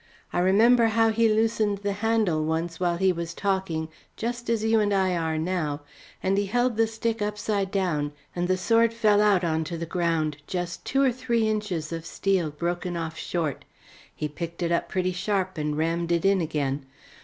I remember how he loosened the handle once while he was talking just as you and I are now, and he held the stick upside down and the sword fell out on to the ground, just two or three inches of steel broken off short. He picked it up pretty sharp and rammed it in again.